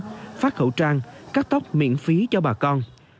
không chỉ dừng lại ở việc phát khẩu trang cắt tóc miễn phí cho bà con